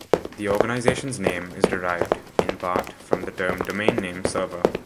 The organisation's name is derived, in part, from the term "domain name server".